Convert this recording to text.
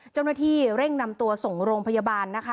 เจ้าหน้าที่เร่งนำตัวส่งโรงพยาบาลนะคะ